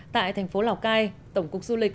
tại thành phố lào cai tổng cục du lịch